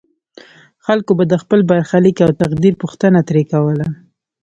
خلکو به د خپل برخلیک او تقدیر پوښتنه ترې کوله.